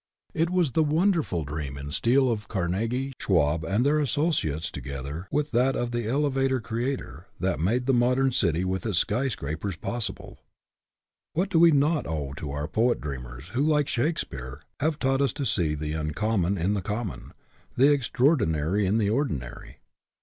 It was the wonderful dream in steel of Carnegie, Schwab, and their associates, to gether with that of the elevator creator, that made the modern city with its sky scrapers possible. What do we not owe to our poet dreamers, who like Shakespeare, have taught us to see the uncommon in the common, the extraor dinary in the ordinary?